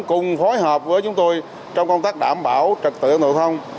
cùng phối hợp với chúng tôi trong công tác đảm bảo trật tựa nội thông